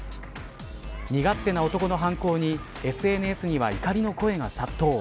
身勝手な男の犯行にＳＮＳには怒りの声が殺到。